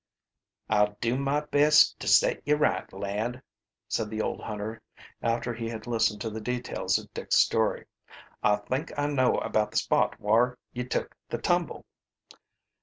"I'll do my best to set ye right, lad," said the old hunter, after he had listened to the details of Dick's story. "I think I know about the spot whar ye took the tumble."